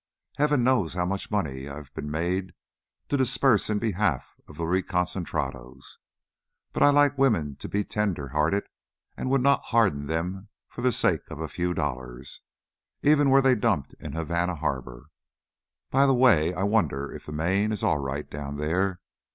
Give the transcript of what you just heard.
Heaven knows how much money I've been made to disburse in behalf of the reconcentrados, but I like women to be tender hearted and would not harden them for the sake of a few dollars, even were they dumped in Havana Harbor By the way, I wonder if the Maine is all right down there?